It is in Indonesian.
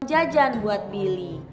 jajan buat billy